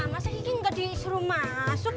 masa kiki gak disuruh masuk